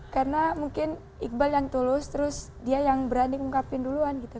karena mungkin iqbal yang tulus terus dia yang berani mengungkapin duluan gitu